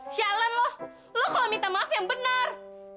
shalleng lo lo kalau minta maaf yang benar